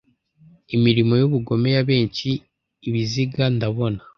imirimo y'ubugome Ya benshi Ibiziga ndabona